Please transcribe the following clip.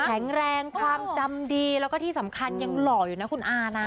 แข็งแรงความจำดีแล้วก็ที่สำคัญยังหล่ออยู่นะคุณอานะ